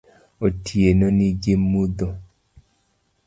Otieno ni gi mudho